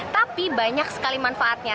tapi banyak sekali manfaatnya